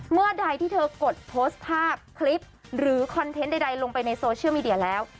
เมื่อใดที่เธอกดโพสต์ภาพคลิปหรือคอนเทนต์ใดลงไปในโซเชียลมีเดียแล้ว